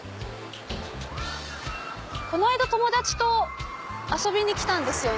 この間友達と遊びに来たんですよね。